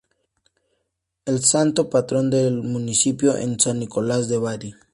El Santo Patrón del Municipio es San Nicolás de Bari.